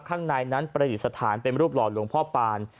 ข้างในนั้นประดิษฐานเป็นรูปหล่อหลวงพ่อปาน